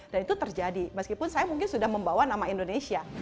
dan itu terjadi meskipun saya mungkin sudah membawa nama indonesia